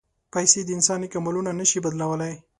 پېسې د انسان نیک عملونه نه شي بدلولی.